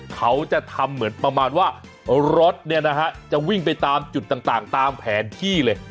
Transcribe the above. เขาจะทำเหมือนประมาณว่ารถเนี่ยนะฮะจะวิ่งไปตามจุดต่างตามแผนที่เลย